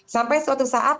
sampai suatu saat